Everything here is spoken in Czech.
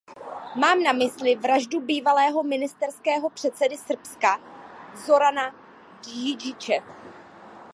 Mám na mysli vraždu bývalého ministerského předsedy Srbska Zorana Djindjiče.